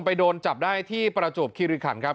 โดนจับได้ที่ประจวบคิริขันครับ